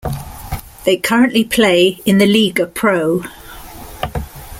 They currently play in the Lega Pro.